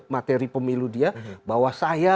materi pemilu dia bahwa saya